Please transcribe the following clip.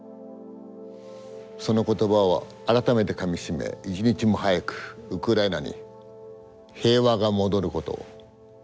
その言葉を改めてかみしめ一日も早くウクライナに平和が戻ることを願っています。